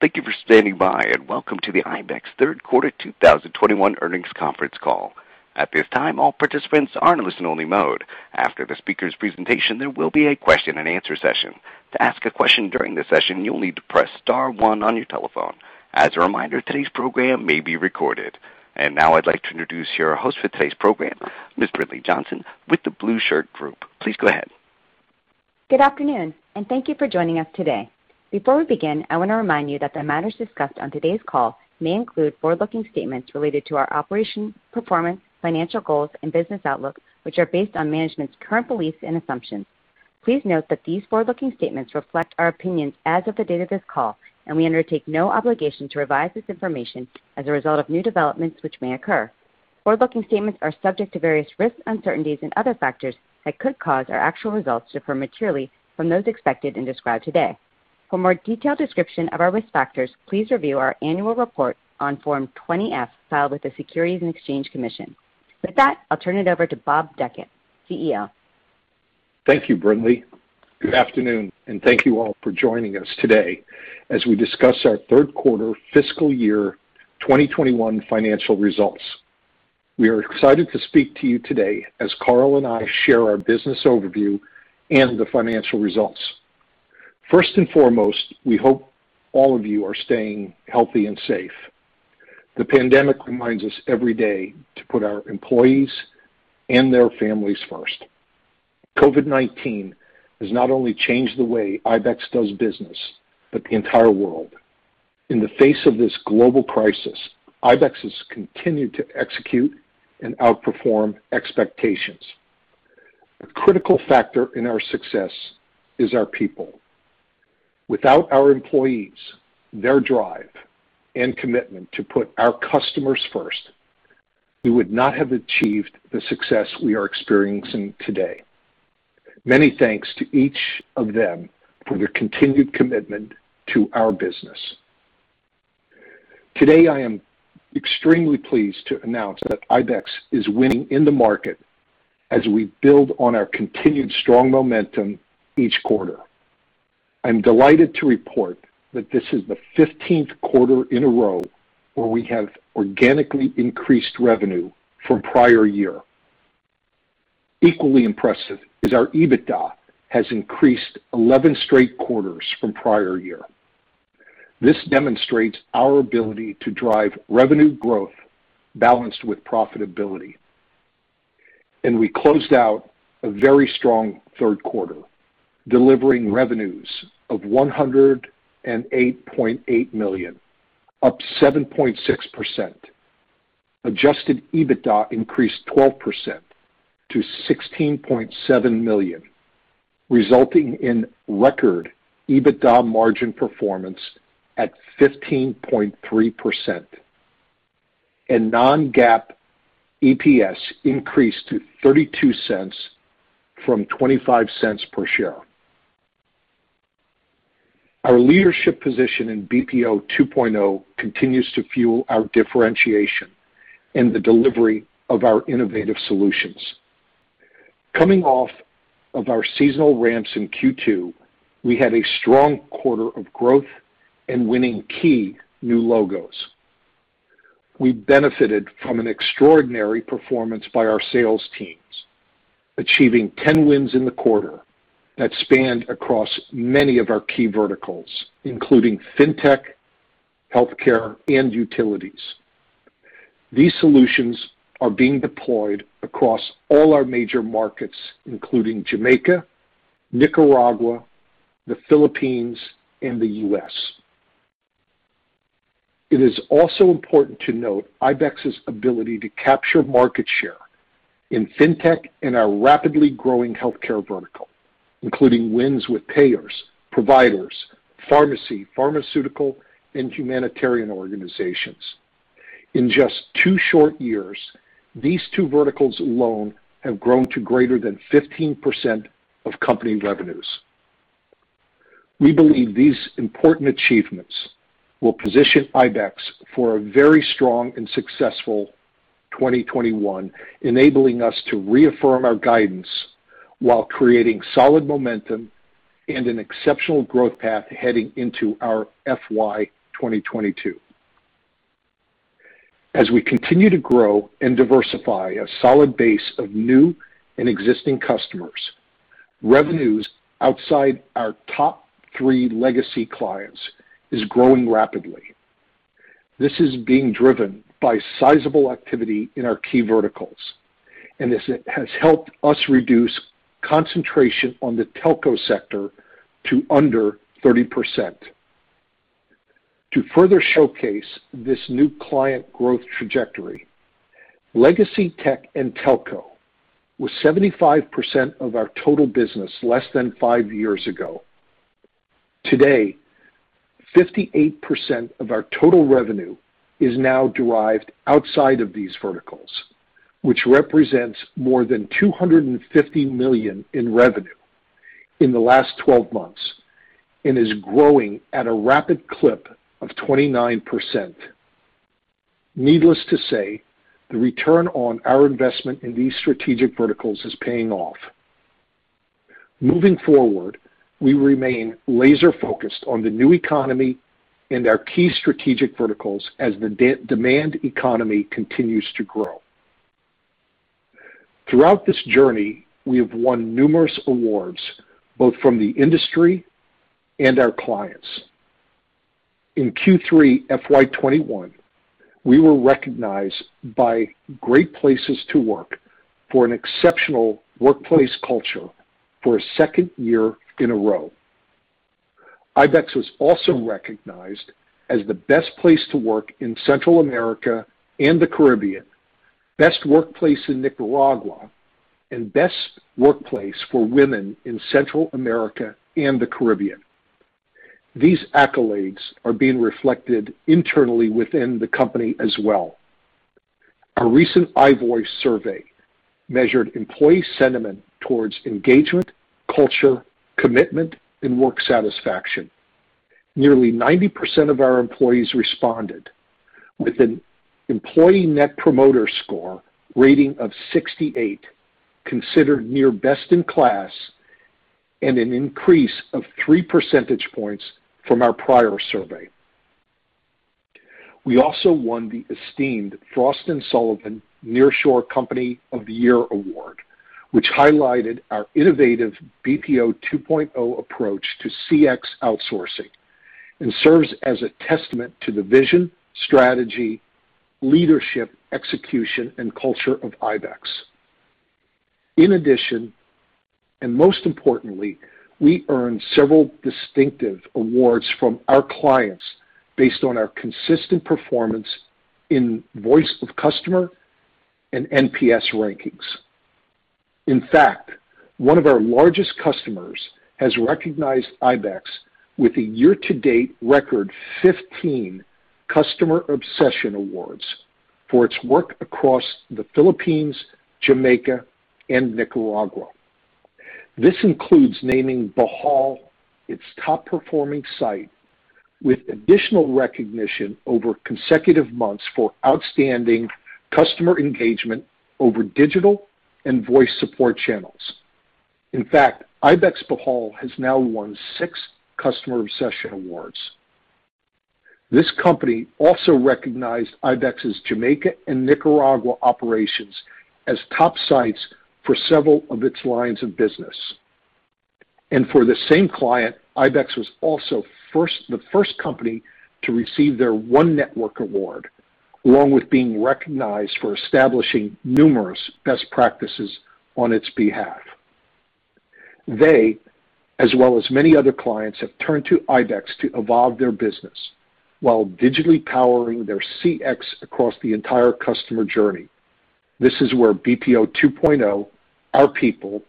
Thank you for standing by, and welcome to the ibex third quarter 2021 earnings conference call. At this time, all participants are in listen-only mode. After the speaker's presentation, there will be a question-and-answer session. To ask a question during the session, you'll need to press star one on your telephone. As a reminder, today's program may be recorded. And now I'd like to introduce your host for today's program, Ms. Brinlea Johnson with The Blueshirt Group. Please go ahead. Good afternoon, and thank you for joining us today. Before we begin, I want to remind you that the matters discussed on today's call may include forward-looking statements related to our operations, performance, financial goals, and business outlook, which are based on management's current beliefs and assumptions. Please note that these forward-looking statements reflect our opinions as of the date of this call. We undertake no obligation to revise this information as a result of new developments which may occur. Forward-looking statements are subject to various risks, uncertainties, and other factors that could cause our actual results to differ materially from those expected and described today. For more detailed description of our risk factors, please review our annual report on Form 20-F filed with the Securities and Exchange Commission. With that, I'll turn it over to Bob Dechant, CEO. Thank you, Brinlea. Good afternoon, and thank you all for joining us today as we discuss our third quarter fiscal year 2021 financial results. We are excited to speak to you today as Karl and I share our business overview and the financial results. First and foremost, we hope all of you are staying healthy and safe. The pandemic reminds us every day to put our employees and their families first. COVID-19 has not only changed the way ibex does business, but the entire world. In the face of this global crisis, ibex has continued to execute and outperform expectations. The critical factor in our success is our people. Without our employees, their drive, and commitment to put our customers first, we would not have achieved the success we are experiencing today. Many thanks to each of them for their continued commitment to our business. Today, I am extremely pleased to announce that ibex is winning in the market as we build on our continued strong momentum each quarter. I'm delighted to report that this is the 15th quarter in a row where we have organically increased revenue from prior year. Equally impressive is our EBITDA has increased 11 straight quarters from prior year. This demonstrates our ability to drive revenue growth balanced with profitability. We closed out a very strong third quarter, delivering revenues of $108.8 million, up 7.6%. Adjusted EBITDA increased 12% to $16.7 million, resulting in record EBITDA margin performance at 15.3%. Non-GAAP EPS increased to $0.32 from $0.25 per share. Our leadership position in BPO 2.0 continues to fuel our differentiation in the delivery of our innovative solutions. Coming off of our seasonal ramps in Q2, we had a strong quarter of growth and winning key new logos. We benefited from an extraordinary performance by our sales teams, achieving 10 wins in the quarter that spanned across many of our key verticals, including Fintech, healthcare, and utilities. These solutions are being deployed across all our major markets, including Jamaica, Nicaragua, the Philippines, and the U.S. It is also important to note ibex's ability to capture market share in Fintech and our rapidly growing healthcare vertical, including wins with payers, providers, pharmacy, pharmaceutical, and humanitarian organizations. In just two short years, these two verticals alone have grown to greater than 15% of company revenues. We believe these important achievements will position ibex for a very strong and successful 2021, enabling us to reaffirm our guidance while creating solid momentum and an exceptional growth path heading into our FY 2022. As we continue to grow and diversify a solid base of new and existing customers, revenues outside our top three legacy clients is growing rapidly. This is being driven by sizable activity in our key verticals, and it has helped us reduce concentration on the telco sector to under 30%. To further showcase this new client growth trajectory, legacy tech and telco was 75% of our total business less than five years ago. Today, 58% of our total revenue is now derived outside of these verticals, which represents more than $250 million in revenue in the last 12 months and is growing at a rapid clip of 29%. Needless to say, the return on our investment in these strategic verticals is paying off. Moving forward, we remain laser-focused on the New Economy and our key strategic verticals as the demand economy continues to grow. Throughout this journey, we have won numerous awards, both from the industry and our clients. In Q3 FY 2021, we were recognized by Great Place to Work for an exceptional workplace culture for a second year in a row. ibex was also recognized as the Best Place to Work in Central America and the Caribbean, best workplace in Nicaragua, and Best Workplace for Women in Central America and the Caribbean. These accolades are being reflected internally within the company as well. Our recent iVoice survey measured employee sentiment towards engagement, culture, commitment, and work satisfaction. Nearly 90% of our employees responded with an Employee Net Promoter Score rating of 68, considered near best in class, and an increase of three percentage points from our prior survey. We also won the esteemed Frost & Sullivan Nearshore Company of the Year Award, which highlighted our innovative BPO 2.0 approach to CX outsourcing and serves as a testament to the vision, strategy, leadership, execution, and culture of ibex. In addition, and most importantly, we earned several distinctive awards from our clients based on our consistent performance in Voice of Customer and NPS rankings. In fact, one of our largest customers has recognized ibex with a year-to-date record 15 Customer Obsession Awards for its work across the Philippines, Jamaica, and Nicaragua. This includes naming Bohol its top-performing site with additional recognition over consecutive months for outstanding customer engagement over digital and voice support channels. In fact, ibex Bohol has now won six Customer Obsession Awards. This company also recognized ibex's Jamaica and Nicaragua operations as top sites for several of its lines of business. For the same client, ibex was also the first company to receive their One Network Award, along with being recognized for establishing numerous best practices on its behalf. They, as well as many other clients, have turned to ibex to evolve their business while digitally powering their CX across the entire customer journey. This is where BPO 2.0, our people,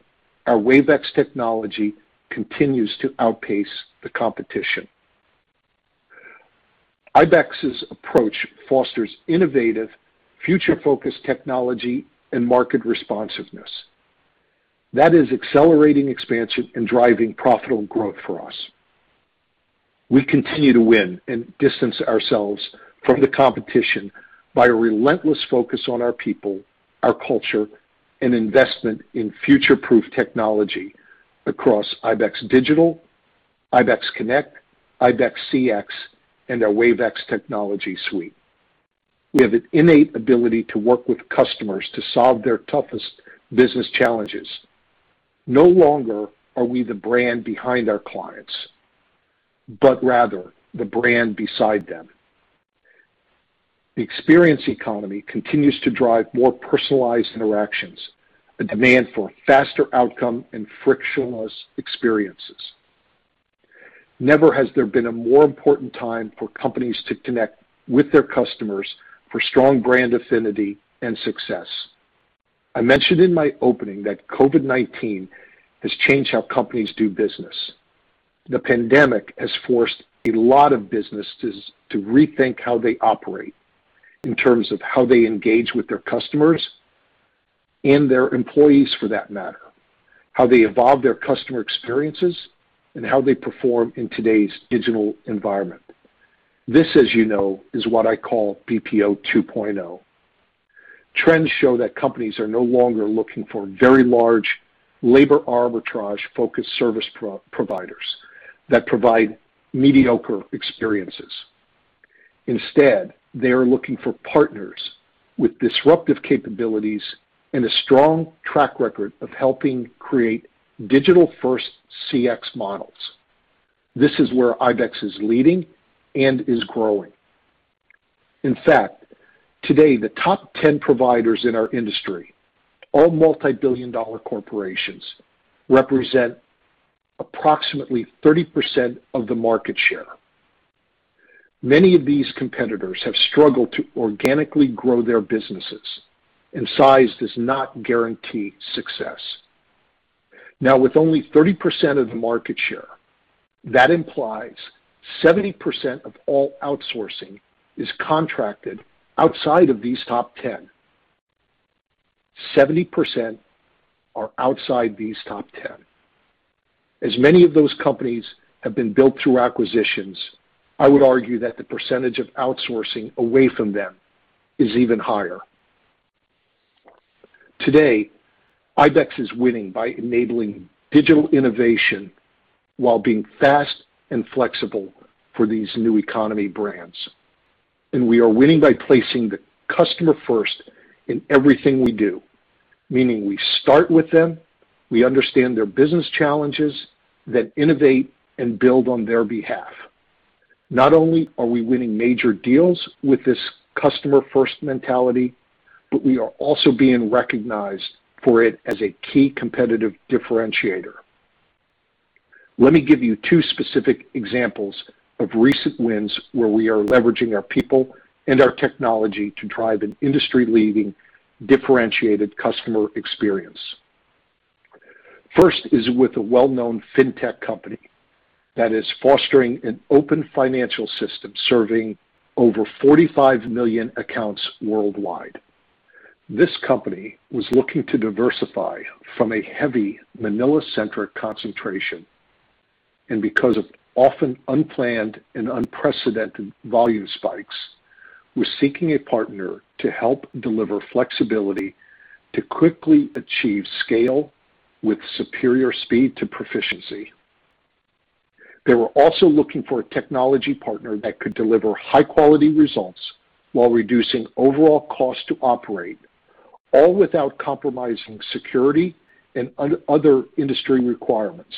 our Wave iX technology continues to outpace the competition. ibex's approach fosters innovative, future-focused technology and market responsiveness. That is accelerating expansion and driving profitable growth for us. We continue to win and distance ourselves from the competition by a relentless focus on our people, our culture, and investment in future-proof technology across ibex Digital, ibex Connect, ibex CX, and our Wave iX technology suite. We have an innate ability to work with customers to solve their toughest business challenges. No longer are we the brand behind our clients, but rather the brand beside them. The experience economy continues to drive more personalized interactions and demand for faster outcome and frictionless experiences. Never has there been a more important time for companies to connect with their customers for strong brand affinity and success. I mentioned in my opening that COVID-19 has changed how companies do business. The pandemic has forced a lot of businesses to rethink how they operate in terms of how they engage with their customers and their employees for that matter, how they evolve their customer experiences, and how they perform in today's digital environment. This, as you know, is what I call BPO 2.0. Trends show that companies are no longer looking for very large labor arbitrage-focused service providers that provide mediocre experiences. Instead, they are looking for partners with disruptive capabilities and a strong track record of helping create digital-first CX models. This is where ibex is leading and is growing. In fact, today, the top 10 providers in our industry, all multibillion-dollar corporations, represent approximately 30% of the market share. Many of these competitors have struggled to organically grow their businesses, and size does not guarantee success. Now, with only 30% of the market share, that implies 70% of all outsourcing is contracted outside of these top 10. 70% are outside these top 10. As many of those companies have been built through acquisitions, I would argue that the percentage of outsourcing away from them is even higher. Today, ibex is winning by enabling digital innovation while being fast and flexible for these new economy brands. We are winning by placing the customer first in everything we do, meaning we start with them, we understand their business challenges, then innovate and build on their behalf. Not only are we winning major deals with this customer-first mentality, but we are also being recognized for it as a key competitive differentiator. Let me give you two specific examples of recent wins where we are leveraging our people and our technology to drive an industry-leading differentiated customer experience. First is with a well-known Fintech company that is fostering an open financial system serving over 45 million accounts worldwide. This company was looking to diversify from a heavy Manila-centric concentration, and because of often unplanned and unprecedented volume spikes, was seeking a partner to help deliver flexibility to quickly achieve scale with superior speed to proficiency. They were also looking for a technology partner that could deliver high-quality results while reducing overall cost to operate, all without compromising security and other industry requirements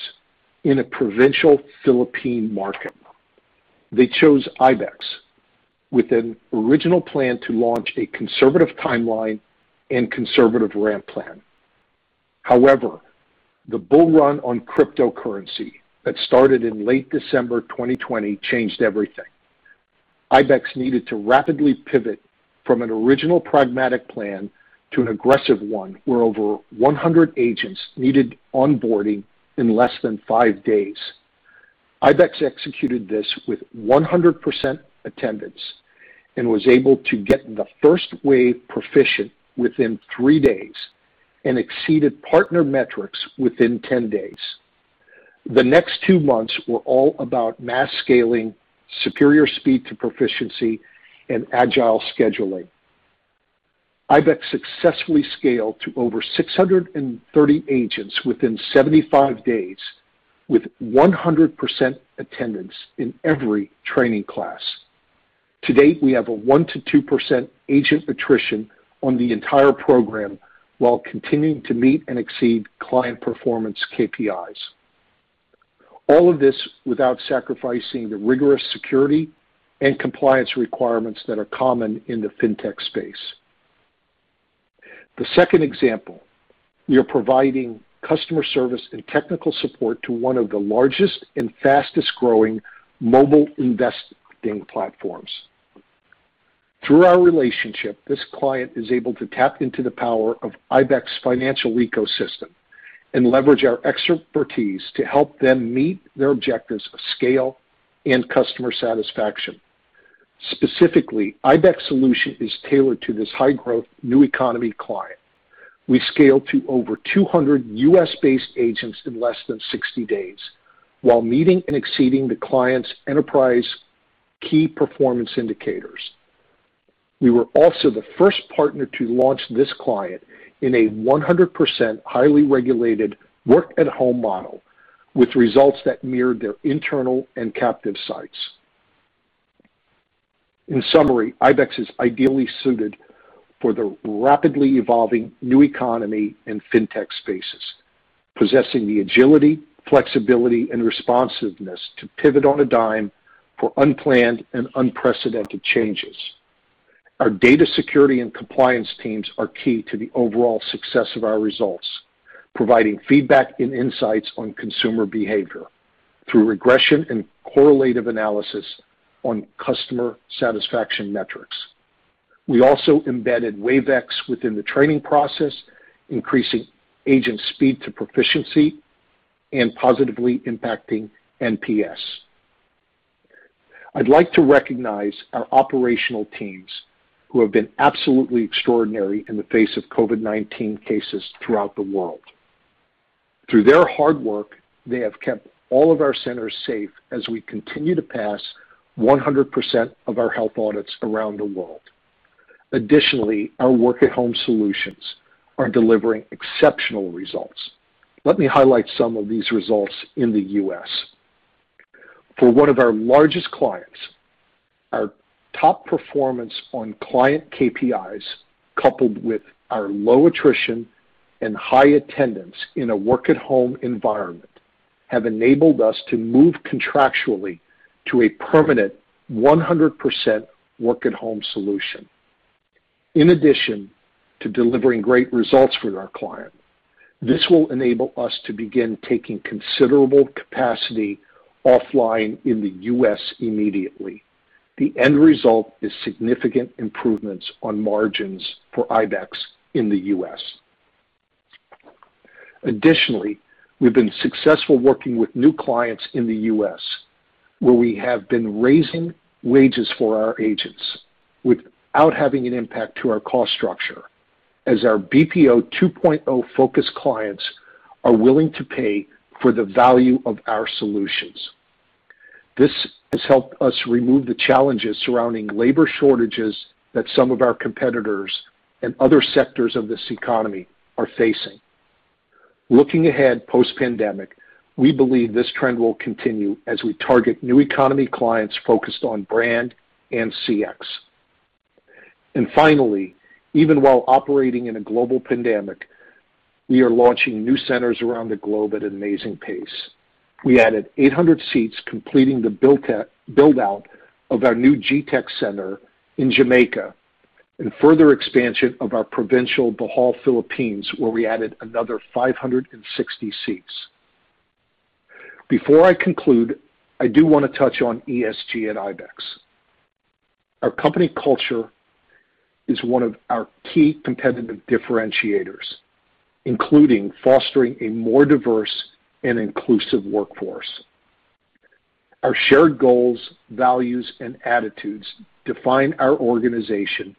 in a provincial Philippine market. They chose ibex with an original plan to launch a conservative timeline and conservative ramp plan. However, the bull run on cryptocurrency that started in late December 2020 changed everything. ibex needed to rapidly pivot from an original pragmatic plan to an aggressive one, where over 100 agents needed onboarding in less than five days. ibex executed this with 100% attendance and was able to get the first wave proficient within three days and exceeded partner metrics within 10 days. The next two months were all about mass scaling, superior speed to proficiency, and agile scheduling. ibex successfully scaled to over 630 agents within 75 days, with 100% attendance in every training class. To date, we have a 1%-2% agent attrition on the entire program while continuing to meet and exceed client performance KPIs. All of this without sacrificing the rigorous security and compliance requirements that are common in the Fintech space. The second example, we are providing customer service and technical support to one of the largest and fastest-growing mobile investing platforms. Through our relationship, this client is able to tap into the power of ibex financial ecosystem and leverage our expertise to help them meet their objectives of scale and customer satisfaction. Specifically, ibex solution is tailored to this high-growth new economy client. We scaled to over 200 U.S.-based agents in less than 60 days while meeting and exceeding the client's enterprise Key Performance Indicators. We were also the first partner to launch this client in a 100% highly regulated work-at-home model with results that mirrored their internal and captive sites. In summary, ibex is ideally suited for the rapidly evolving new economy and Fintech spaces, possessing the agility, flexibility, and responsiveness to pivot on a dime for unplanned and unprecedented changes. Our data security and compliance teams are key to the overall success of our results, providing feedback and insights on consumer behavior through regression and correlative analysis on customer satisfaction metrics. We also embedded Wave iX within the training process, increasing agent speed to proficiency and positively impacting NPS. I'd like to recognize our operational teams who have been absolutely extraordinary in the face of COVID-19 cases throughout the world. Through their hard work, they have kept all of our centers safe as we continue to pass 100% of our health audits around the world. Additionally, our work-at-home solutions are delivering exceptional results. Let me highlight some of these results in the U.S. For one of our largest clients, our top performance on client KPIs, coupled with our low attrition and high attendance in a work-at-home environment, have enabled us to move contractually to a permanent 100% work-at-home solution. In addition to delivering great results for our client, this will enable us to begin taking considerable capacity offline in the U.S. immediately. The end result is significant improvements on margins for ibex in the U.S. We've been successful working with new clients in the U.S., where we have been raising wages for our agents without having an impact to our cost structure, as our BPO 2.0 focused clients are willing to pay for the value of our solutions. This has helped us remove the challenges surrounding labor shortages that some of our competitors and other sectors of this economy are facing. Looking ahead post-pandemic, we believe this trend will continue as we target new economy clients focused on brand and CX. Even while operating in a global pandemic, we are launching new centers around the globe at an amazing pace. We added 800 seats, completing the build-out of our new GTech center in Jamaica, and further expansion of our provincial Bohol, Philippines, where we added another 560 seats. Before I conclude, I do want to touch on ESG at ibex. Our company culture is one of our key competitive differentiators, including fostering a more diverse and inclusive workforce. Our shared goals, values, and attitudes define our organization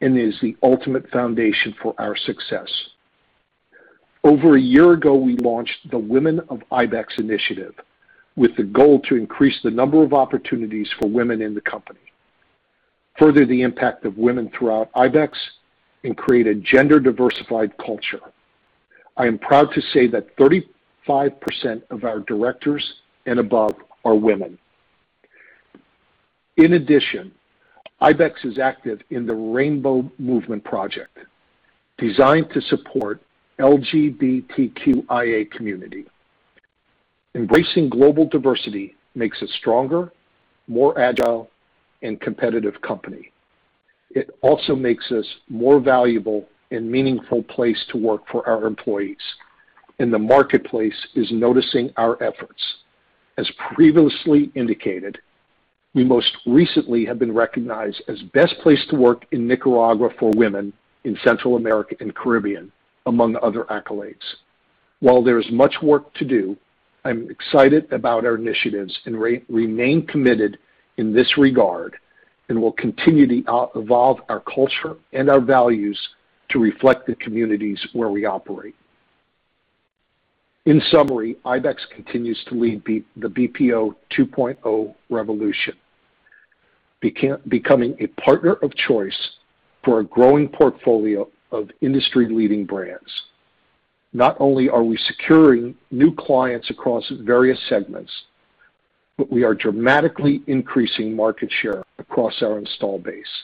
and is the ultimate foundation for our success. Over a year ago, we launched the Women of ibex initiative with the goal to increase the number of opportunities for women in the company, further the impact of women throughout ibex, and create a gender diversified culture. I am proud to say that 35% of our directors and above are women. In addition, ibex is active in the Rainbow Project movement, designed to support LGBTQIA community. Embracing global diversity makes us stronger, more agile, and competitive company. It also makes us more valuable and meaningful place to work for our employees, and the marketplace is noticing our efforts. As previously indicated, we most recently have been recognized as Best Place to Work in Nicaragua for Women in Central America and Caribbean, among other accolades. While there's much work to do, I'm excited about our initiatives and remain committed in this regard, and will continue to evolve our culture and our values to reflect the communities where we operate. In summary, ibex continues to lead the BPO 2.0 revolution, becoming a partner of choice for a growing portfolio of industry-leading brands. Not only are we securing new clients across various segments, but we are dramatically increasing market share across our install base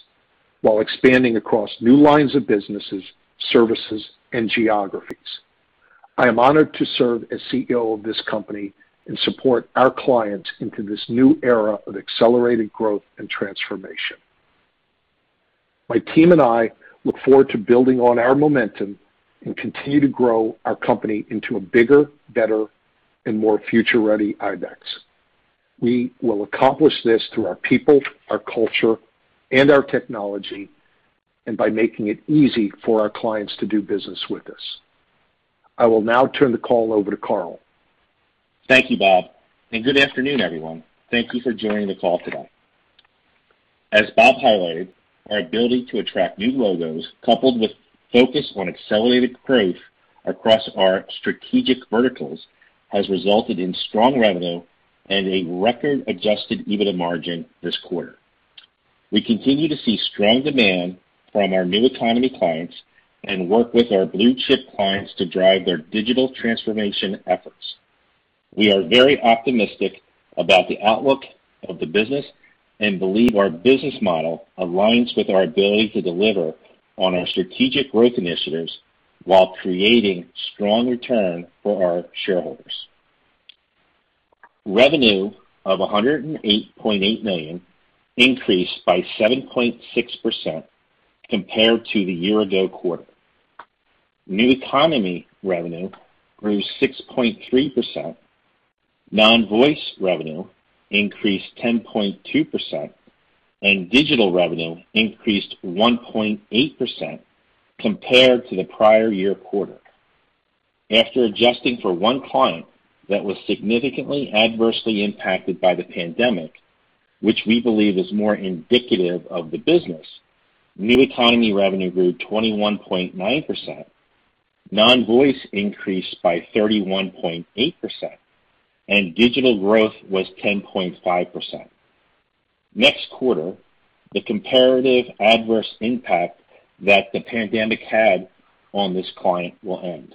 while expanding across new lines of businesses, services, and geographies. I'm honored to serve as CEO of this company and support our clients into this new era of accelerated growth and transformation. My team and I look forward to building on our momentum and continue to grow our company into a bigger, better, and more future ready ibex. We will accomplish this through our people, our culture, and our technology, and by making it easy for our clients to do business with us. I will now turn the call over to Karl. Thank you, Bob, and good afternoon, everyone. Thank you for joining the call today. As Bob highlighted, our ability to attract new logos coupled with focus on accelerated growth across our strategic verticals, has resulted in strong revenue and a record adjusted EBITDA margin this quarter. We continue to see strong demand from our new economy clients and work with our blue chip clients to drive their digital transformation efforts. We are very optimistic about the outlook of the business and believe our business model aligns with our ability to deliver on our strategic growth initiatives while creating strong return for our shareholders. Revenue of $108.8 million increased by 7.6% compared to the year ago quarter. New economy revenue grew 6.3%, non-voice revenue increased 10.2%, and digital revenue increased 1.8% compared to the prior year quarter. After adjusting for one client that was significantly adversely impacted by the pandemic, which we believe is more indicative of the business, new economy revenue grew 21.9%, non-voice increased by 31.8%, and digital growth was 10.5%. Next quarter, the comparative adverse impact that the pandemic had on this client will end.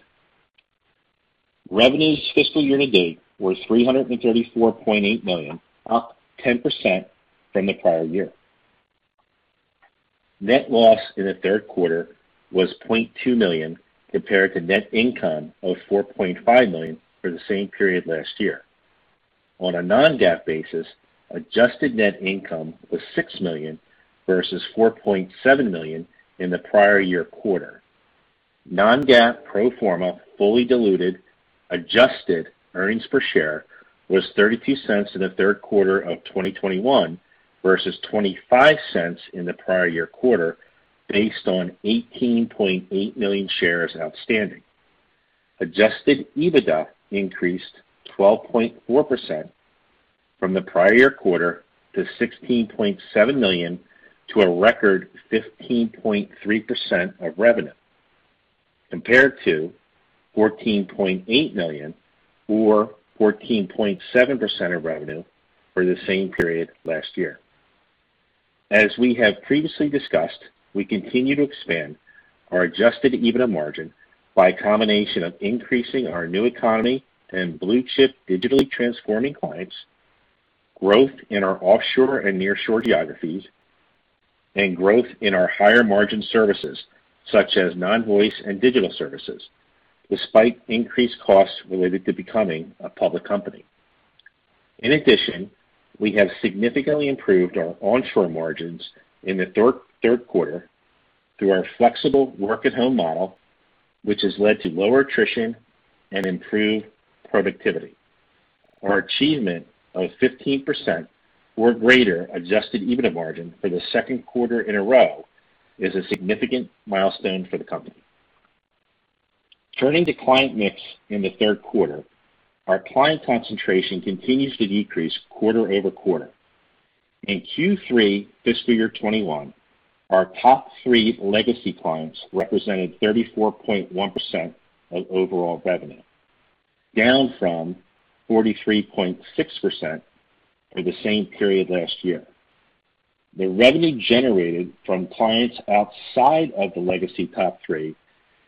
Revenues fiscal year to date were $334.8 million, up 10% from the prior year. Net loss in the third quarter was $0.2 million compared to net income of $4.5 million for the same period last year. On a non-GAAP basis, adjusted net income was $6 million versus $4.7 million in the prior year quarter. Non-GAAP pro forma fully diluted adjusted earnings per share was $0.32 in the third quarter of 2021 versus $0.25 in the prior year quarter, based on 18.8 million shares outstanding. Adjusted EBITDA increased 12.4% from the prior year quarter to $16.7 million, to a record 15.3% of revenue, compared to $14.8 million or 14.7% of revenue for the same period last year. As we have previously discussed, we continue to expand our adjusted EBITDA margin by a combination of increasing our new economy and blue-chip digitally transforming clients, growth in our offshore and nearshore geographies, and growth in our higher-margin services, such as non-voice and digital services, despite increased costs related to becoming a public company. In addition, we have significantly improved our onshore margins in the third quarter through our flexible work-at-home model, which has led to lower attrition and improved productivity. Our achievement of 15% or greater adjusted EBITDA margin for the second quarter in a row is a significant milestone for the company. Turning to client mix in the third quarter, our client concentration continues to decrease quarter-over-quarter. In Q3 FY 2021, our top three legacy clients represented 34.1% of overall revenue, down from 43.6% for the same period last year. The revenue generated from clients outside of the legacy top three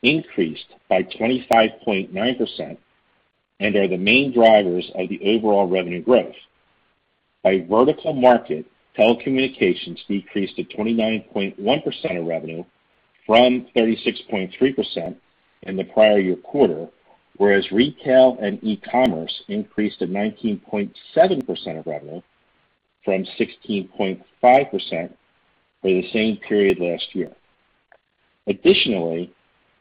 increased by 25.9% and are the main drivers of the overall revenue growth. By vertical market, telecommunications decreased to 29.1% of revenue from 36.3% in the prior year quarter, whereas retail and e-commerce increased to 19.7% of revenue from 16.5% for the same period last year. Additionally,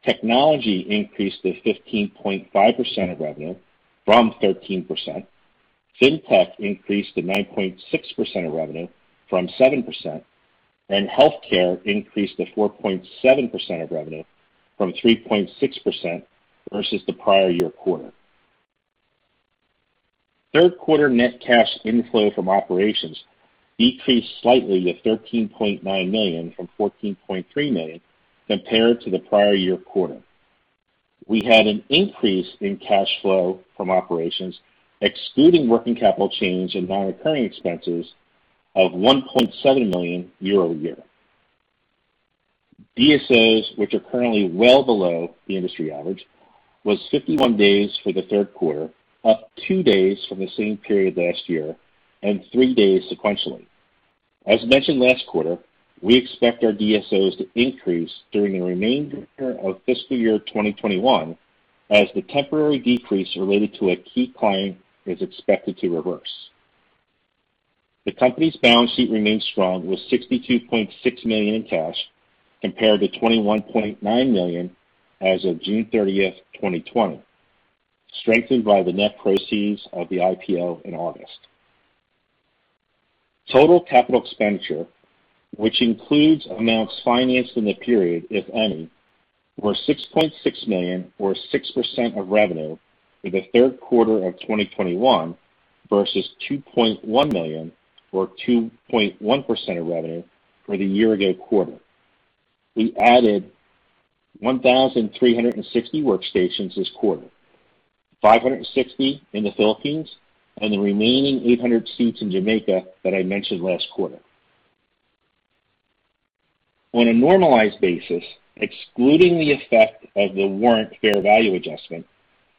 technology increased to 15.5% of revenue from 13%, Fintech increased to 9.6% of revenue from 7%, and healthcare increased to 4.7% of revenue from 3.6% versus the prior year quarter. Third quarter net cash inflow from operations decreased slightly to $13.9 million from $14.3 million compared to the prior year quarter. We had an increase in cash flow from operations excluding working capital change and non-recurring expenses of $1.7 million year-over-year. DSOs, which are currently well below the industry average, was 51 days for the third quarter, up two days from the same period last year and three days sequentially. As mentioned last quarter, we expect our DSOs to increase during the remainder of fiscal year 2021 as the temporary decrease related to a key client is expected to reverse. The company's balance sheet remains strong with $62.6 million in cash compared to $21.9 million as of June 30th, 2020, strengthened by the net proceeds of the IPO in August. Total capital expenditure, which includes amounts financed in the period, if any, were $6.6 million or 6% of revenue for the third quarter of 2021 versus $2.1 million or 2.1% of revenue for the year-ago quarter. We added 1,360 workstations this quarter, 560 in the Philippines, and the remaining 800 seats in Jamaica that I mentioned last quarter. On a normalized basis, excluding the effect of the warrant fair value adjustment,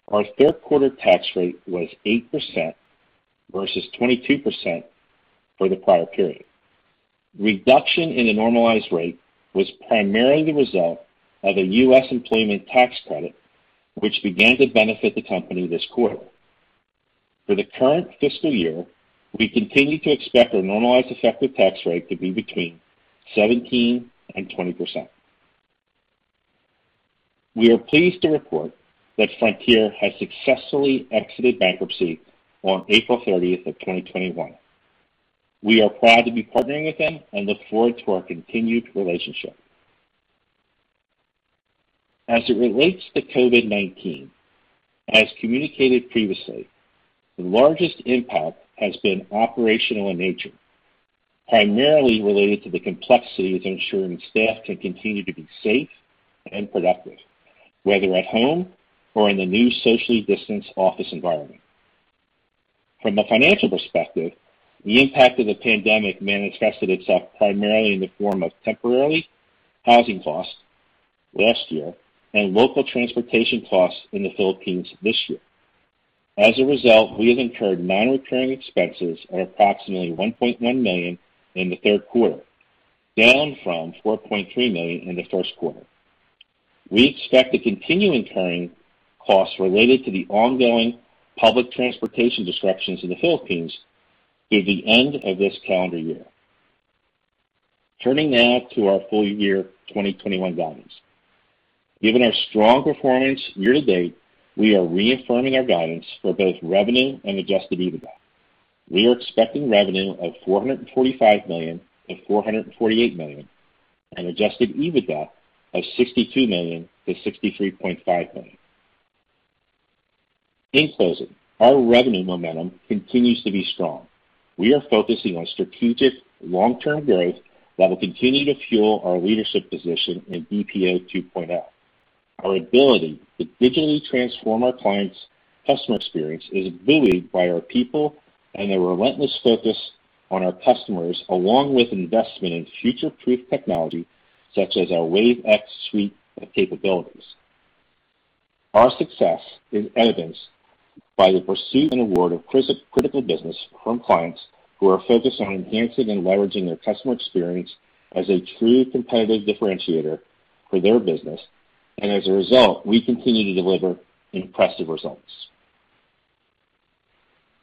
our third quarter tax rate was 8% versus 22% for the prior period. Reduction in the normalized rate was primarily the result of a U.S. employment tax credit, which began to benefit the company this quarter. For the current fiscal year, we continue to expect our normalized effective tax rate to be between 17% and 20%. We are pleased to report that Frontier has successfully exited bankruptcy on April 30th of 2021. We are proud to be partnering with them and look forward to our continued relationship. As it relates to COVID-19, as communicated previously, the largest impact has been operational in nature, primarily related to the complexities of ensuring staff can continue to be safe and productive, whether at home or in the new socially distanced office environment. From a financial perspective, the impact of the pandemic manifested itself primarily in the form of temporary housing costs last year and local transportation costs in the Philippines this year. As a result, we have incurred non-recurring expenses of approximately $1.1 million in the third quarter, down from $4.3 million in the first quarter. We expect to continue incurring costs related to the ongoing public transportation disruptions in the Philippines through the end of this calendar year. Turning now to our full year 2021 guidance. Given our strong performance year to date, we are reaffirming our guidance for both revenue and adjusted EBITDA. We are expecting revenue of $445 million-$448 million and adjusted EBITDA of $62 million-$63.5 million. In closing, our revenue momentum continues to be strong. We are focusing on strategic long-term growth that will continue to fuel our leadership position in BPO 2.0. Our ability to digitally transform our clients' customer experience is buoyed by our people and their relentless focus on our customers, along with investment in future-proof technology such as our Wave iX suite of capabilities. Our success is evidenced by the pursuit and award of critical business from clients who are focused on enhancing and leveraging their customer experience as a true competitive differentiator for their business. As a result, we continue to deliver impressive results.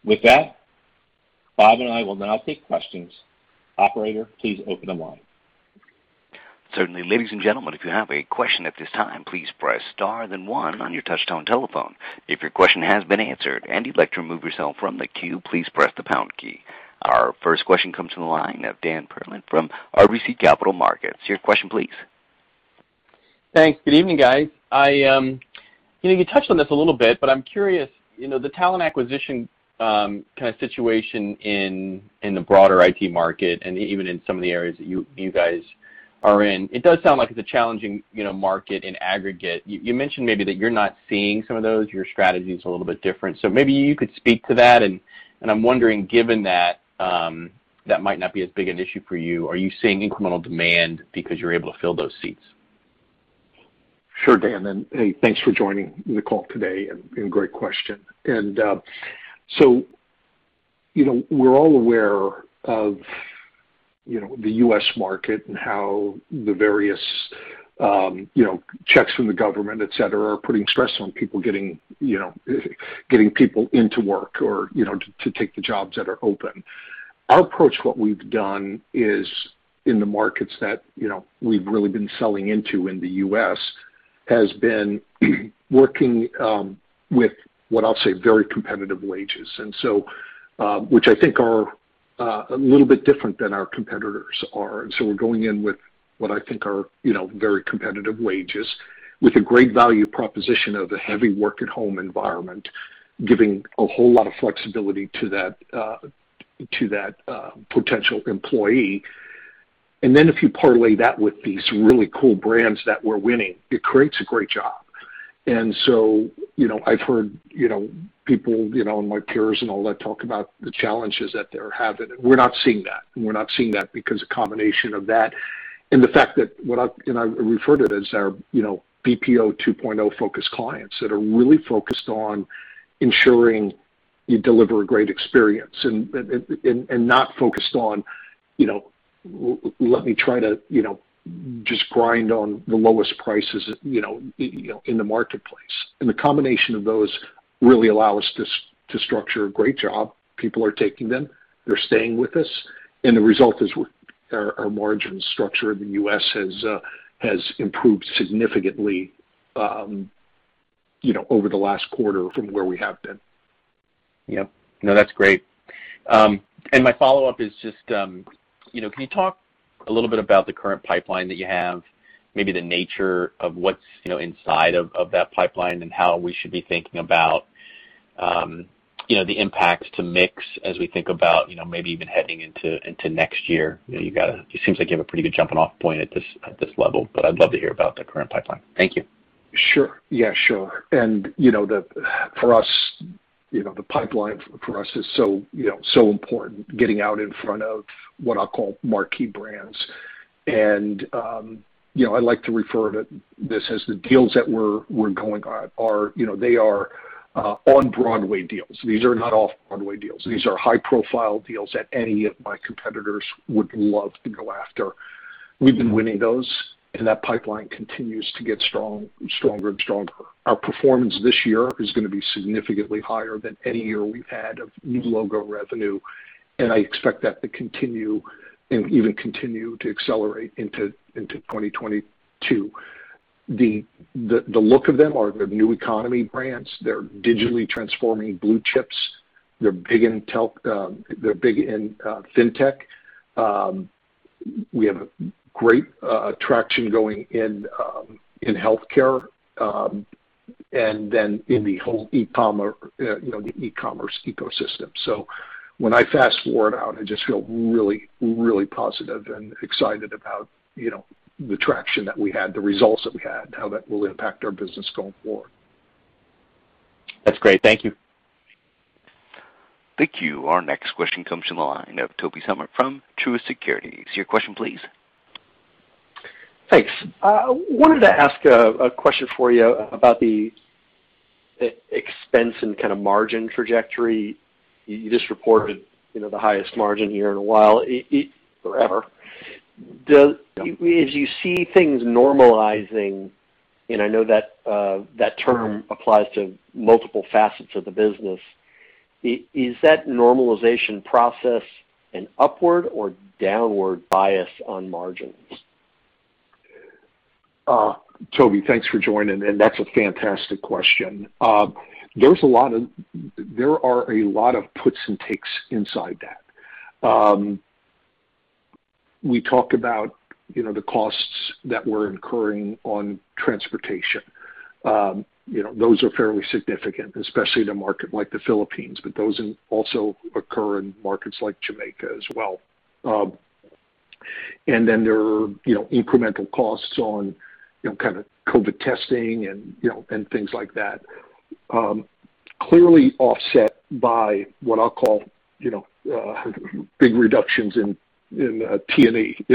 With that, Bob and I will now take questions. Operator, please open the line. Certainly. Ladies and gentlemen if you have a question at this time, please press star then one on your touch-tone telephone. If your question has been answered and you want to remove yourself from the queue, please press the pound key. Our first question comes from the line of Dan Perlin from RBC Capital Markets. Your question please. Thanks. Good evening, guys. You touched on this a little bit, but I'm curious, the talent acquisition kind of situation in the broader IT market and even in some of the areas that you guys are in, it does sound like it's a challenging market in aggregate. You mentioned maybe that you're not seeing some of those. Your strategy is a little bit different. Maybe you could speak to that, and I'm wondering, given that might not be as big an issue for you. Are you seeing incremental demand because you're able to fill those seats? Sure, Dan. Thanks for joining the call today. Great question. We're all aware of the U.S. market and how the various checks from the government, et cetera, are putting stress on people getting people into work or to take the jobs that are open. Our approach, what we've done is in the markets that we've really been selling into in the U.S. has been working with what I'll say very competitive wages, which I think are a little bit different than our competitors are. We're going in with what I think are very competitive wages with a great value proposition of a heavy work-at-home environment, giving a whole lot of flexibility to that potential employee. Then if you parlay that with these really cool brands that we're winning, it creates a great job. I've heard people in my peers and all that talk about the challenges that they're having. We're not seeing that, and we're not seeing that because a combination of that and the fact that what I refer to as our BPO 2.0 focused clients that are really focused on ensuring you deliver a great experience and not focused on let me try to just grind on the lowest prices in the marketplace. The combination of those really allow us to structure a great job. People are taking them, they're staying with us, and the result is our margin structure in the U.S. has improved significantly over the last quarter from where we have been. Yep. No, that's great. My follow-up is just, can you talk a little bit about the current pipeline that you have, maybe the nature of what's inside of that pipeline and how we should be thinking about the impact to mix as we think about maybe even heading into next year? It seems like you have a pretty good jumping-off point at this level, but I'd love to hear about the current pipeline. Thank you. Sure. Yeah, sure. For us, the pipeline for us is so important, getting out in front of what I'll call marquee brands. I like to refer to this as the deals that we're going at are, they are on-Broadway deals. These are not off-Broadway deals. These are high-profile deals that any of my competitors would love to go after. We've been winning those, and that pipeline continues to get stronger and stronger. Our performance this year is going to be significantly higher than any year we've had of new logo revenue, and I expect that to continue and even continue to accelerate into 2022. The look of them are the new economy brands. They're digitally transforming blue chips. They're big in Fintech. We have a great traction going in healthcare, and then in the whole e-commerce ecosystem. When I fast-forward out, I just feel really positive and excited about the traction that we had, the results that we had, and how that will impact our business going forward. That's great. Thank you. Thank you. Our next question comes from the line of Tobey Sommer from Truist Securities. Your question please. Thanks. I wanted to ask a question for you about the expense and kind of margin trajectory. You just reported the highest margin here in a while, forever. As you see things normalizing, and I know that term applies to multiple facets of the business, is that normalization process an upward or downward bias on margins? Tobey, thanks for joining, and that's a fantastic question. There are a lot of puts and takes inside that. We talk about the costs that we're incurring on transportation. Those are fairly significant, especially in a market like the Philippines, but those also occur in markets like Jamaica as well. There are incremental costs on COVID testing and things like that. Clearly offset by what I'll call big reductions in T&E,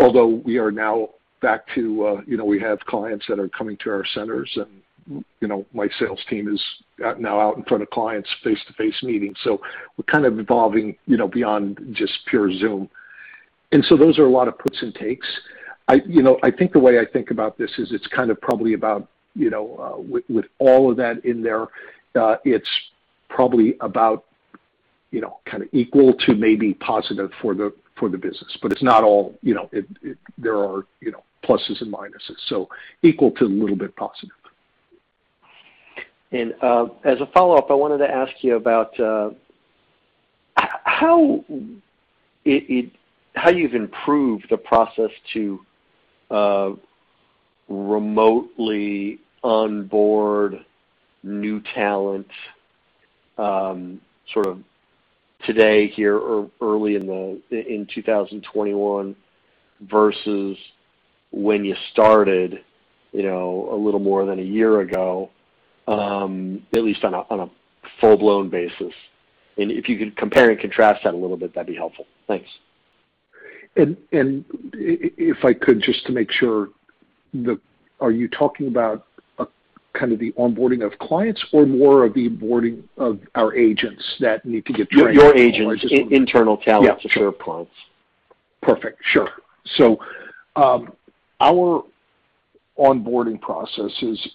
although we are now back to having clients that are coming to our centers, and my sales team is now out in front of clients face-to-face meetings, so we're evolving beyond just pure Zoom. Those are a lot of puts and takes. I think the way I think about this is it's probably about, with all of that in there, it's probably about equal to maybe positive for the business. There are pluses and minuses, so equal to a little bit positive. As a follow-up, I wanted to ask you about how you've improved the process to remotely onboard new talent today here early in 2021 versus when you started a little more than a year ago, at least on a full-blown basis. If you could compare and contrast that a little bit, that'd be helpful. Thanks. If I could, just to make sure, are you talking about the onboarding of clients or more of the onboarding of our agents that need to get trained? Your agents, internal talent to serve clients. Perfect. Sure. Our onboarding process is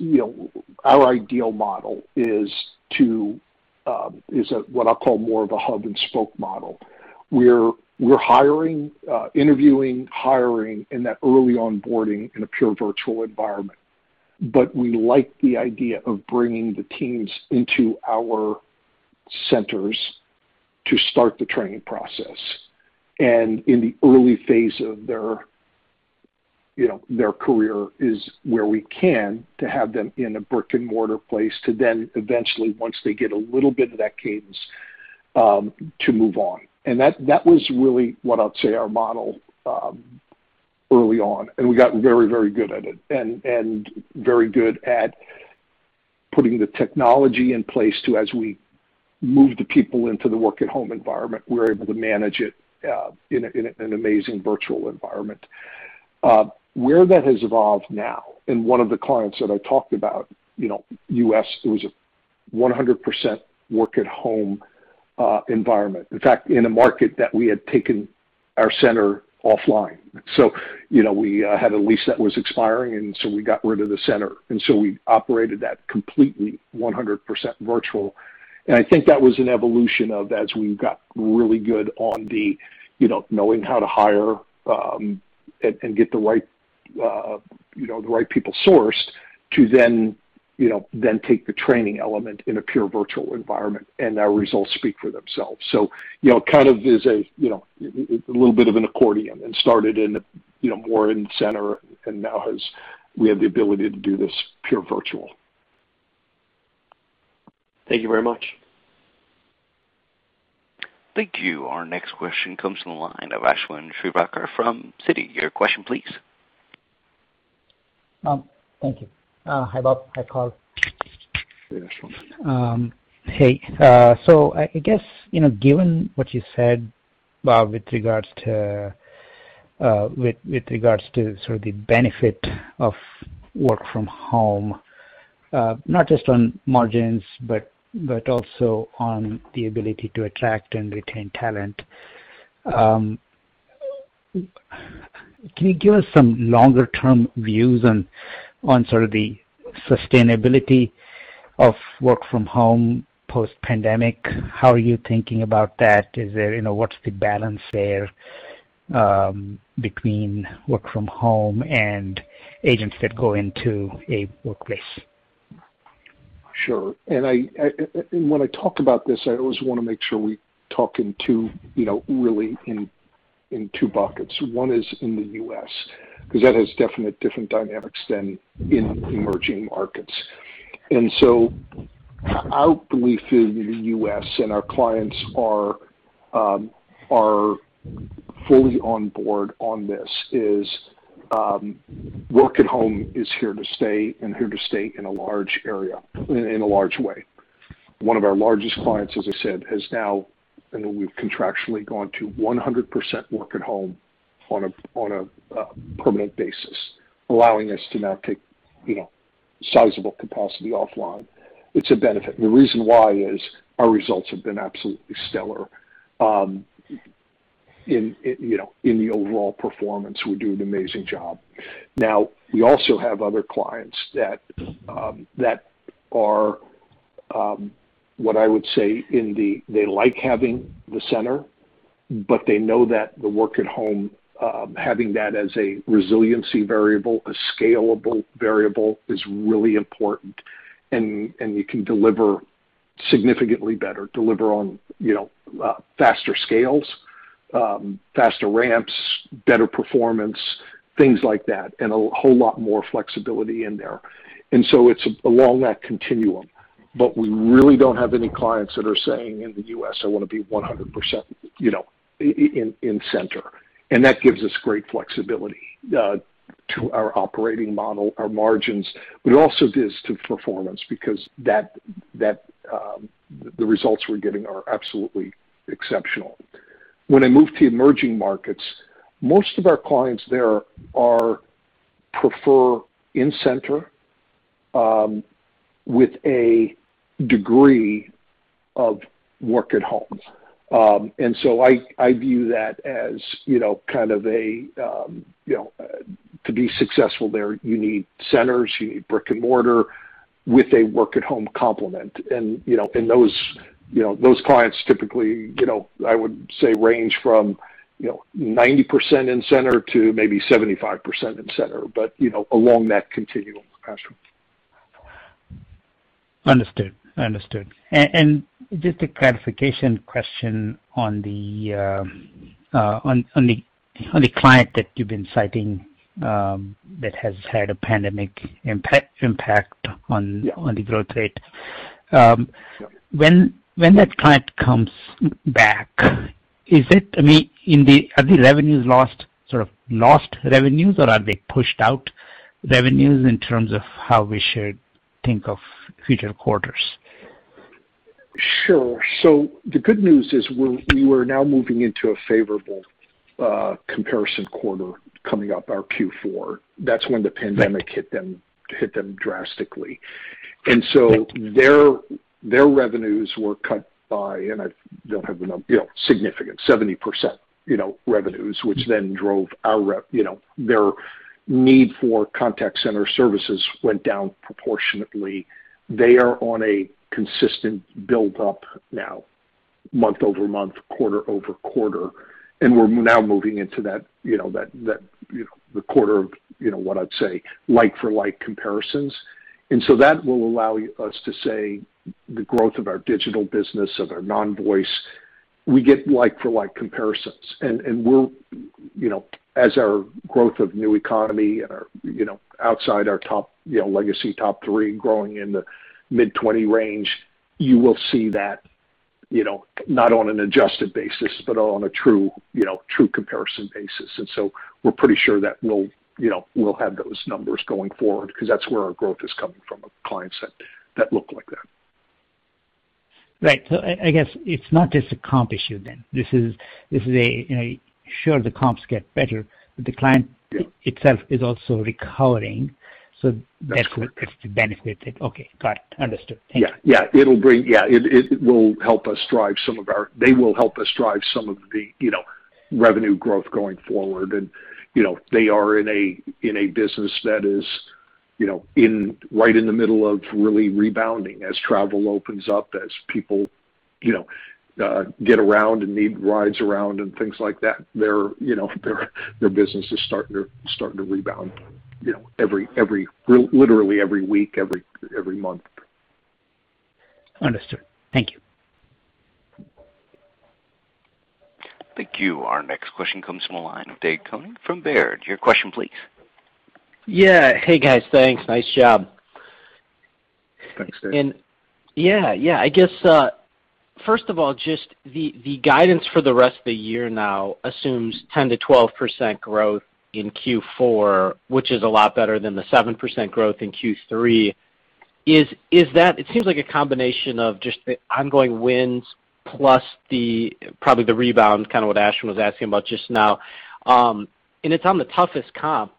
our ideal model is what I call more of a hub-and-spoke model, where we're interviewing, hiring, and that early onboarding in a pure virtual environment. We like the idea of bringing the teams into our centers to start the training process. In the early phase of their career is where we can to have them in a brick-and-mortar place to then eventually, once they get a little bit of that cadence, to move on. That was really what I'd say our model early on, and we got very good at it. Very good at putting the technology in place to, as we moved the people into the work-at-home environment, we were able to manage it in an amazing virtual environment. Where that has evolved now, in one of the clients that I talked about, U.S., there was a 100% work-at-home environment. In fact, in a market that we had taken our center offline. We had a lease that was expiring, we got rid of the center, we operated that completely 100% virtual. I think that was an evolution of as we got really good on the knowing how to hire and get the right people sourced to then take the training element in a pure virtual environment, and our results speak for themselves. Kind of as a little bit of an accordion. It started in more in center, and now we have the ability to do this pure virtual. Thank you very much. Thank you. Our next question comes from the line of Ashwin Shirvaikar from Citi. Your question, please. Thank you. Hi, Bob. Hi, Karl. Hey. I guess, given what you said with regards to the benefit of work-from-home, not just on margins, but also on the ability to attract and retain talent, can you give us some longer-term views on the sustainability of work-from-home post-pandemic? How are you thinking about that? What's the balance there between work-from-home and agents that go into a workplace? When I talk about this, I always want to make sure we talk really in two buckets. One is in the U.S., because that has definite different dynamics than in emerging markets. How we feel in the U.S., and our clients are fully on board on this, is work-at-home is here to stay and here to stay in a large way. One of our largest clients, as I said, has now contractually gone to 100% work-at-home on a permanent basis, allowing us to now take sizable capacity offline. It's a benefit. The reason why is our results have been absolutely stellar in the overall performance. We do an amazing job. We also have other clients that are what I would say, they like having the center, but they know that the work-at-home, having that as a resiliency variable, a scalable variable, is really important, and you can deliver significantly better. Deliver on faster scales, faster ramps, better performance, things like that, and a whole lot more flexibility in there. It's along that continuum. We really don't have any clients that are saying, in the U.S., I want to be 100% in-center. That gives us great flexibility to our operating model, our margins, but it also does to performance, because the results we're getting are absolutely exceptional. When I move to emerging markets, most of our clients there prefer in-center with a degree of work-at-home. I view that as to be successful there, you need centers, you need brick-and-mortar with a work-at-home complement. Those clients typically, I would say range from 90% in-center to maybe 75% in-center, but along that continuum, Ashwin. Understood. Just a clarification question on the client that you've been citing that has had a pandemic impact on the growth rate. When that client comes back, are the revenues lost revenues, or are they pushed out revenues in terms of how we should think of future quarters? The good news is we are now moving into a favorable comparison quarter coming up, our Q4. That's when the pandemic hit them drastically. Their revenues were cut by, and I don't have the number, significant, 70% revenues, which then drove Their need for contact center services went down proportionately. They are on a consistent build-up now month-over-month, quarter-over-quarter, and we're now moving into the quarter of what I'd say like-for-like comparisons. That will allow us to say the growth of our digital business or their non-voice, we get like-for-like comparisons. As our growth of new economy outside our legacy top three, growing in the mid 20 range, you will see that, not on an adjusted basis, but on a true comparison basis. We're pretty sure that we'll have those numbers going forward because that's where our growth is coming from, a client set that look like that. Right. I guess it's not just a comp issue then. This is a, sure, the comps get better, but the client itself is also recovering. That's correct. To benefit it. Okay, got it. Understood. Thank you. Yeah. They will help us drive some of the revenue growth going forward. They are in a business that is right in the middle of really rebounding as travel opens up, as people get around and need rides around and things like that. Their business is starting to rebound literally every week, every month. Understood. Thank you. Thank you. Our next question comes from the line of Dave Koning from Baird. Your question please. Yeah. Hey, guys. Thanks. Nice job. Thanks, Dave. Yeah. I guess, first of all, just the guidance for the rest of the year now assumes 10%-12% growth in Q4, which is a lot better than the 7% growth in Q3. It seems like a combination of just the ongoing wins plus probably the rebound, kind of what Ashwin was asking about just now. It's on the toughest comp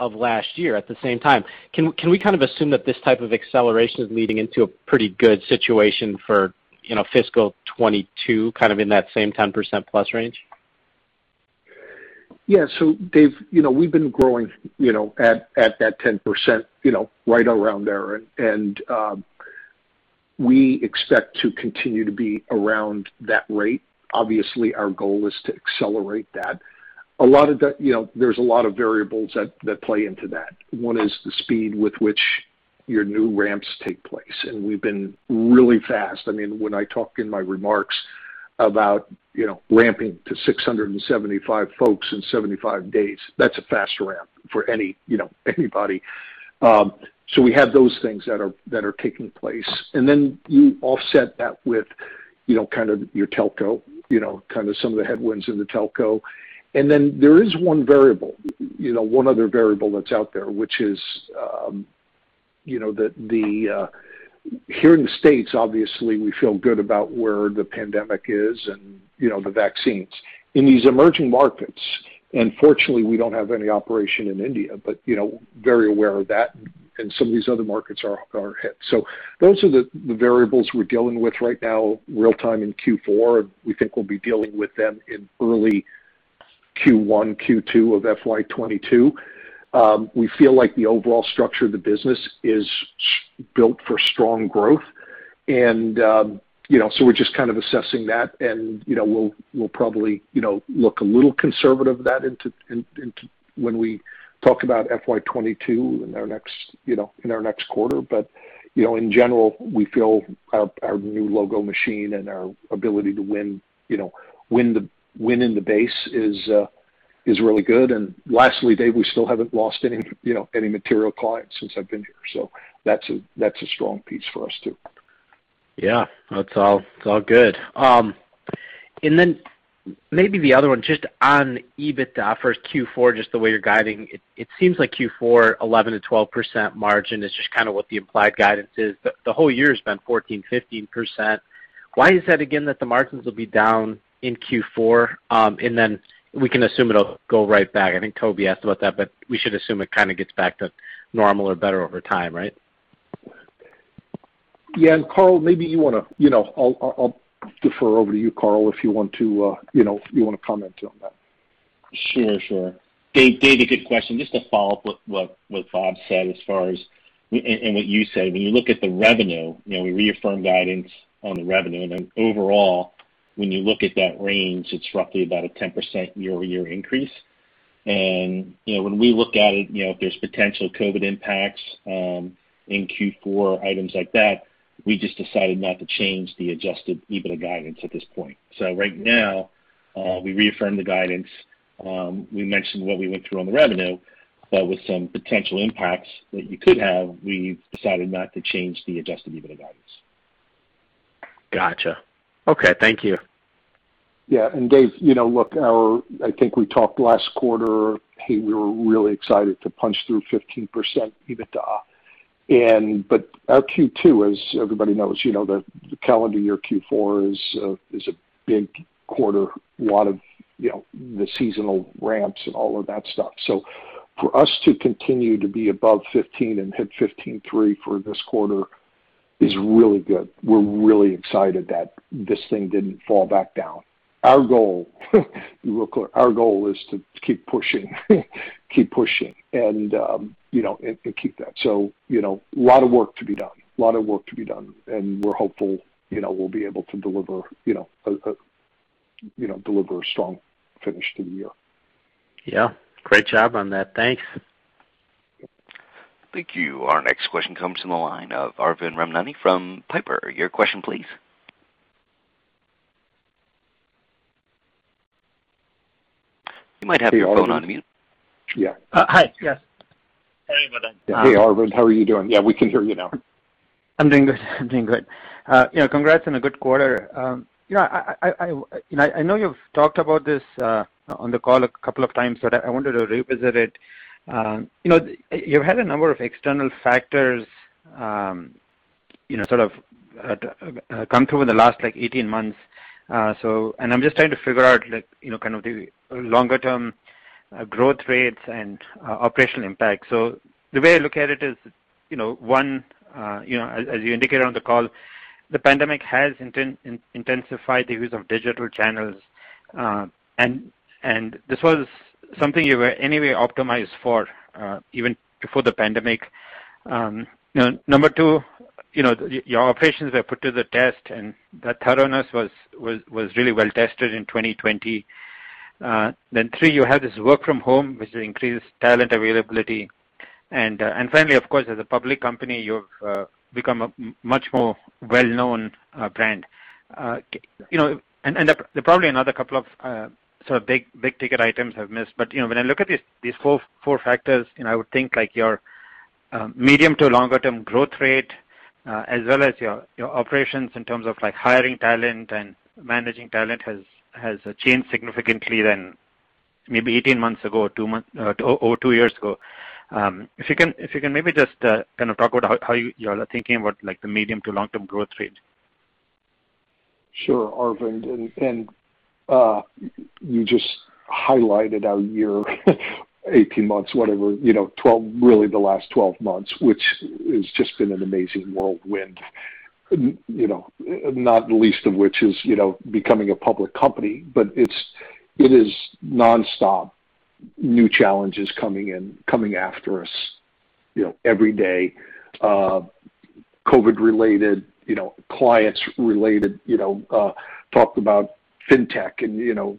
of last year at the same time. Can we assume that this type of acceleration is leading into a pretty good situation for fiscal 2022, kind of in that same 10%+ range? Yeah. Dave, we've been growing at that 10%, right around there, and we expect to continue to be around that rate. Obviously, our goal is to accelerate that. There's a lot of variables that play into that. One is the speed with which your new ramps take place, and we've been really fast. When I talk in my remarks about ramping to 675 folks in 75 days, that's a fast ramp for anybody. We have those things that are taking place. Then you offset that with your telco, some of the headwinds in the telco. Then there is one other variable that's out there, which is that here in the U.S., obviously, we feel good about where the pandemic is and the vaccines. In these emerging markets, unfortunately, we don't have any operation in India, but very aware of that, and some of these other markets are hit. Those are the variables we're dealing with right now, real-time in Q4. We think we'll be dealing with them in early Q1, Q2 of FY 2022. We feel like the overall structure of the business is built for strong growth. We're just assessing that, and we'll probably look a little conservative of that when we talk about FY 2022 in our next quarter. In general, we feel our new logo machine and our ability to win in the base is really good. Lastly, Dave, we still haven't lost any material clients since I've been here. That's a strong piece for us, too. Yeah. That's all good. Maybe the other one, just on EBITDA for Q4, just the way you're guiding it seems like Q4 11%-12% margin is just what the implied guidance is. The whole year's been 14%, 15%. Why is that again, that the margins will be down in Q4? We can assume it'll go right back. I think Tobey asked about that, but we should assume it gets back to normal or better over time, right? Yeah. Karl, I'll defer over to you, Karl, if you want to comment on that. Sure. Dave, good question. Just to follow up what Bob said as far as, and what you said, when you look at the revenue, we reaffirmed guidance on the revenue, and then overall, when you look at that range, it's roughly about a 10% year-over-year increase. When we look at it, there's potential COVID impacts in Q4, items like that, we just decided not to change the adjusted EBITDA guidance at this point. Right now, we reaffirm the guidance. We mentioned what we went through on the revenue, with some potential impacts that you could have, we decided not to change the adjusted EBITDA guidance. Gotcha. Okay. Thank you. Yeah. Dave, look, I think we talked last quarter, hey, we were really excited to punch through 15% EBITDA. Our Q2, as everybody knows, the calendar year Q4 is a big quarter, a lot of the seasonal ramps and all of that stuff. For us to continue to be above 15 and hit 15.3 for this quarter is really good. We're really excited that this thing didn't fall back down. Our goal is to keep pushing and keep that. A lot of work to be done. We're hopeful we'll be able to deliver a strong finish to the year. Yeah. Great job on that. Thanks. Thank you. Our next question comes from the line of Arvind Ramnani from Piper. Your question please. You might have your phone on mute. Yeah. Hi. Yeah. Hey, Arvind. How are you doing? Yeah, we can hear you now. I'm doing good. Congrats on a good quarter. I know you've talked about this on the call a couple of times, but I wanted to revisit it. You had a number of external factors come through in the last 18 months. I'm just trying to figure out the longer-term growth rates and operational impact. The way I look at it is, one, as you indicated on the call, the pandemic has intensified the use of digital channels. This was something you were anyway optimized for, even before the pandemic. Number two, your operations were put to the test, and the thoroughness was really well tested in 2020. Three, you have this work-from-home, which increased talent availability. Finally, of course, as a public company, you've become a much more well-known brand. There are probably another couple of big-ticket items I've missed. When I look at these four factors, I would think your medium to longer-term growth rate, as well as your operations in terms of hiring talent and managing talent has changed significantly than maybe 18 months ago or two years ago. If you can maybe just talk about how you're thinking about the medium to long-term growth rate. Sure, Arvind. You just highlighted our year, 18 months, whatever, really the last 12 months, which has just been an amazing whirlwind. Not the least of which is becoming a public company. It is nonstop new challenges coming after us every day. COVID-related, clients related. Talk about Fintech,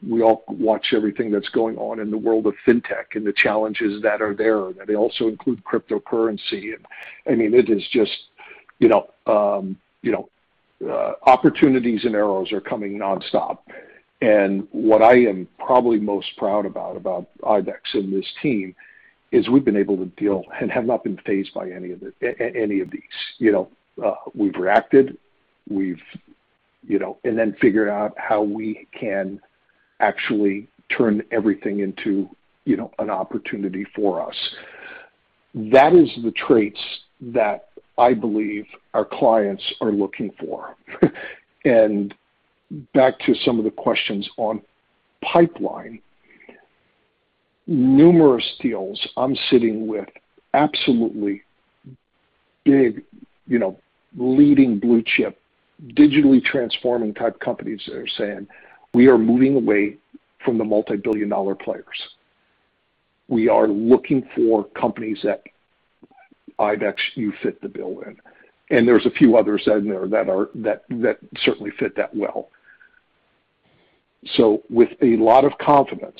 we all watch everything that's going on in the world of Fintech and the challenges that are there. They also include cryptocurrency. I mean, it is just opportunities and errors are coming nonstop. What I am probably most proud about ibex and this team is we've been able to deal and have not been fazed by any of these. We've reacted, then figured out how we can actually turn everything into an opportunity for us. That is the traits that I believe our clients are looking for. Back to some of the questions on pipeline, numerous deals I'm sitting with absolutely big, leading blue-chip, digitally transforming type companies that are saying, "We are moving away from the multi-billion dollar players. We are looking for companies that, ibex, you fit the bill in." There's a few others in there that certainly fit that well. With a lot of confidence,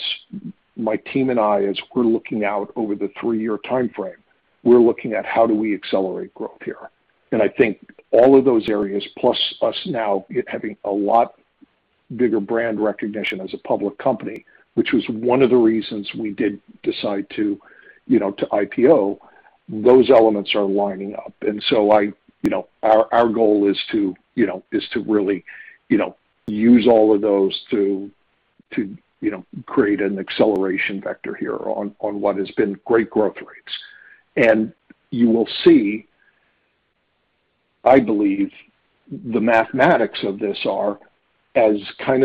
my team and I, as we're looking out over the three-year timeframe, we're looking at how do we accelerate growth here. I think all of those areas, plus us now having a lot bigger brand recognition as a public company, which was one of the reasons we did decide to IPO, those elements are lining up. Our goal is to really use all of those to create an acceleration vector here on what has been great growth rates. You will see, I believe the mathematics of this are as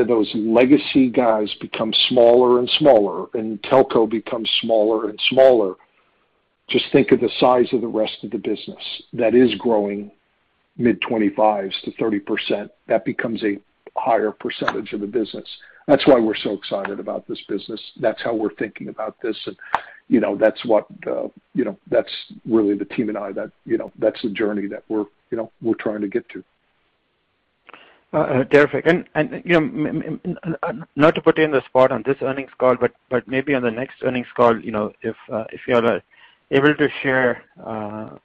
those legacy guys become smaller and smaller, and telco becomes smaller and smaller, just think of the size of the rest of the business that is growing mid-25s to 30%. That becomes a higher percentage of the business. That's why we're so excited about this business. That's how we're thinking about this, and that's really the team and I, that's the journey that we're trying to get to. Bob, not to put you on the spot on this earnings call, but maybe on the next earnings call, if you are able to share how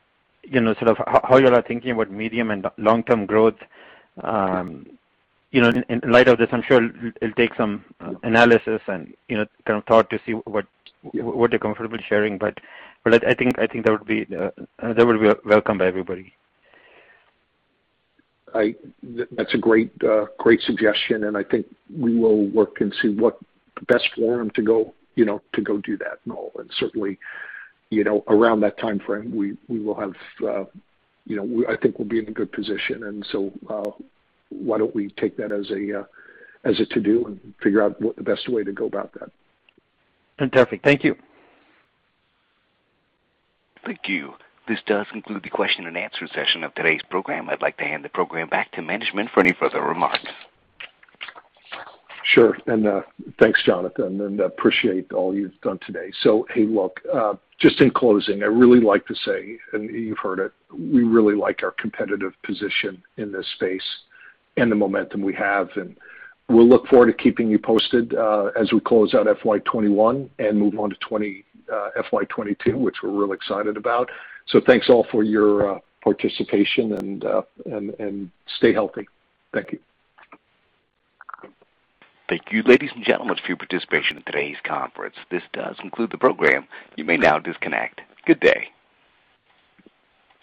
you're thinking about medium and long-term growth. In light of this, I'm sure it'll take some analysis and thought to see what you're comfortable sharing, but I think that would be welcome to everybody. That's a great suggestion, I think we will work and see what the best forum to go do that in all. Certainly, around that timeframe, I think we'll be in a good position. Why don't we take that as a to-do and figure out the best way to go about that. Fantastic. Thank you. Thank you. This does conclude the question and answer session of today's program. I'd like to hand the program back to management for any further remarks. Sure, thanks, Jonathan, and appreciate all you've done today. Hey, look, just in closing, I'd really like to say, and you've heard it, we really like our competitive position in this space and the momentum we have, and we'll look forward to keeping you posted as we close out FY 2021 and move on to FY 2022, which we're really excited about. Thanks, all, for your participation and stay healthy. Thank you. Thank you, ladies and gentlemen, for your participation in today's conference. This does conclude the program. You may now disconnect. Good day.